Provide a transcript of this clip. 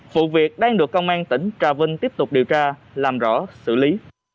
vụ việc đang được công an tỉnh trà vinh tiếp tục điều tra làm rõ xử lý